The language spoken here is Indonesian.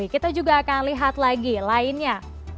kita juga akan lihat lagi lainnya